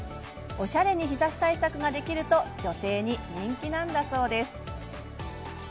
おしゃれに日ざし対策ができると女性に人気なんだそうです。